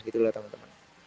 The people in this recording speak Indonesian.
gitu loh teman teman